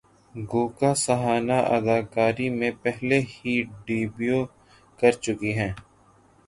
گوکہ سہانا اداکاری میں پہلے ہی ڈیبیو کرچکی ہیں